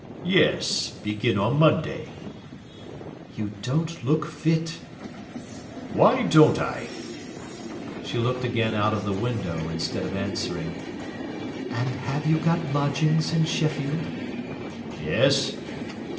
"Yes—begin on Monday." "You don't look fit." "Why don't I?" She looked again out of the window instead of answering. "And have you got lodgings in Sheffield?" "Yes."